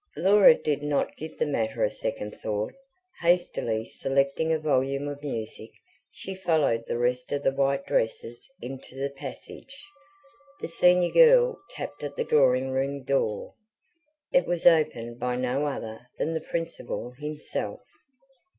Laura did not give the matter a second thought: hastily selecting a volume of music, she followed the rest of the white dresses into the passage. The senior girl tapped at the drawingroom door. It was opened by no other than the Principal himself.